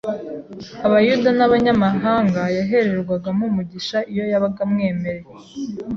Abayuda n’Abanyamahanga, yahererwagamo umugisha iyo yabaga amwemeye